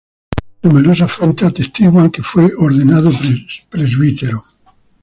Numerosas fuentes atestiguan que fue ordenado presbítero.